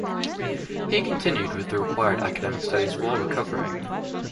He continued with the required academic studies while recovering.